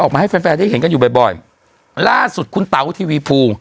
มาให้แฟนแฟนได้เห็นกันอยู่บ่อยบ่อยล่าสุดคุณเต๋าทีวีภู